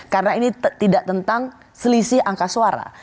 karena ini tidak tentang selisih angka suara